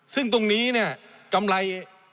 ซึ่งตรงนี้กำไร